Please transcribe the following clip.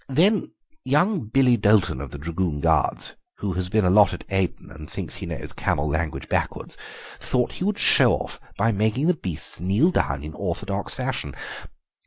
Then young Billy Doulton, of the Dragoon Guards, who has been a lot at Aden and thinks he knows camel language backwards, thought he would show off by making the beasts kneel down in orthodox fashion.